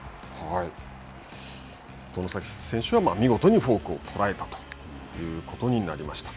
外崎選手は見事にフォークを捉えたということになりました。